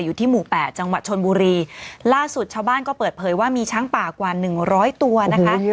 อยู่ที่หมู่แปดจังหวัดชนบุรีล่าสุดชาวบ้านก็เปิดเผยว่ามีช้างป่ากว่าหนึ่งร้อยตัวนะคะ